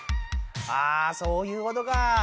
あそういうことか。